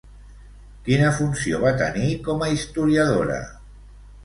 Quina funció va tenir com a historiadora?